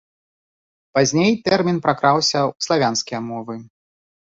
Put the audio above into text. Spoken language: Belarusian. Пазней тэрмін пракраўся ў славянскія мовы.